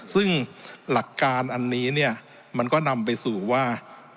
ซึ่งหลักการอันนี้เนี่ยมันก็นำไปสู่ว่า